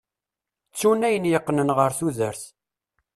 Ttun ayen yeqqnen ɣer tudert.